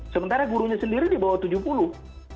sementara gurunya sendiri di bawah tujuh puluh